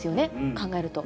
考えると。